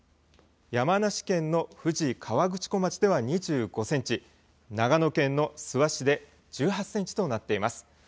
山梨県の富士河口湖町では２５センチ、長野県の諏訪市で１８センチとなっています。